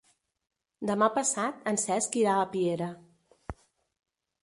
Demà passat en Cesc irà a Piera.